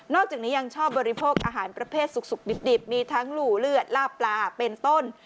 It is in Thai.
จากนี้ยังชอบบริโภคอาหารประเภทสุกดิบมีทั้งหลู่เลือดลาบปลาเป็นต้น